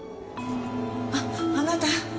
ああなた。